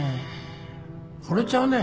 ほれちゃうね。